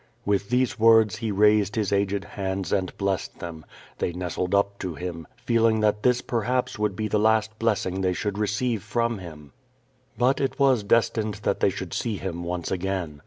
With these words he raised his aged hands and blessed them; they nestled up to him, feeling that this perhaps would be the last blessing they should receive from him. QUO VADIS. 487 But it was destined that they should see him once again.